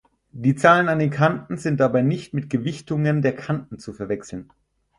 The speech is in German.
Die Zahlen an den Kanten sind dabei nicht mit Gewichtungen der Kanten zu verwechseln.